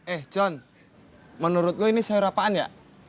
eh john menurut gue ini sayur apaan ya